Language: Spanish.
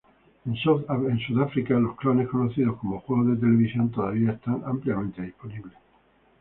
En South Africa, los clones, conocidos como "Juegos de Televisión", todavía están ampliamente disponibles.